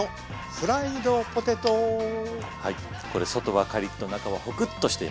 これ外はカリッと中はホクッとしています。